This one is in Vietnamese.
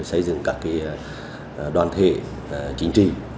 xây dựng các đoàn thể chính trị